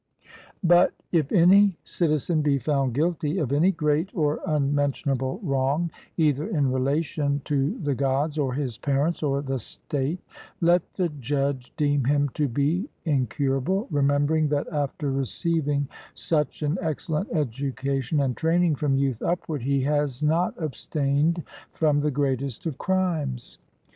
But if any citizen be found guilty of any great or unmentionable wrong, either in relation to the Gods, or his parents, or the state, let the judge deem him to be incurable, remembering that after receiving such an excellent education and training from youth upward, he has not abstained from the greatest of crimes.